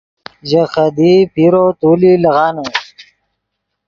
ژے خدیئی پیرو تولی لیغانے